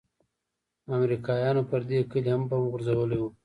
امريکايانو پر دې كلي هم بم غورځولي وو.